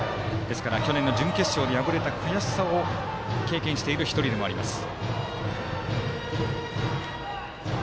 去年の準決勝敗れた悔しさを経験している１人でもあります。